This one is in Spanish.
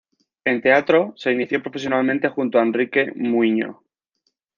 En teatro se inició profesionalmente junto a Enrique Muiño.